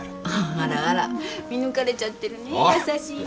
あらあら見抜かれちゃってるね優しいのが。